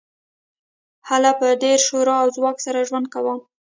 هغه په ډیر شور او ځواک سره ژوند کاوه